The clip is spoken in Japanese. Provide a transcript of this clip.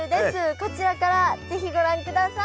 こちらから是非ご覧ください。